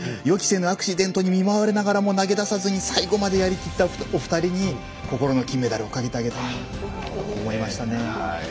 予期せぬアクシデントに見舞われながらも、投げ出さずに最後までやりきったお二人に心の金メダルをかけてあげたいと思いましたね。